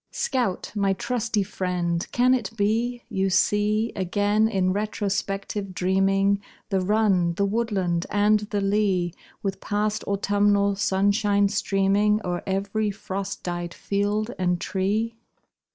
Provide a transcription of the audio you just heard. Scout, my trusty friend, can it be You see Again, in retrospective dreaming, The run, the woodland, and the lea, With past autumnal sunshine streaming O'er ev'ry frost dyed field and tree?